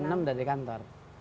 saya jam enam sudah di kantor